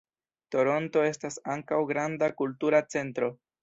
Toronto estas ankaŭ granda kultura centro.